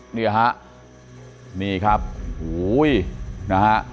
นี่นะฮะนี่ครับโห้ยนะฮะ